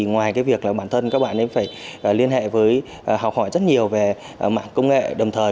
ngoài việc bản thân các bạn nên phải liên hệ với học hỏi rất nhiều về mạng công nghệ đồng thời